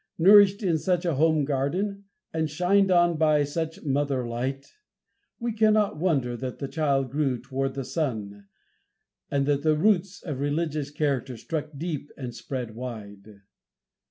Nourished in such a home garden, and shined on by such mother light, we cannot wonder that the child grew toward the Sun, and that the roots of religious character struck deep and spread wide.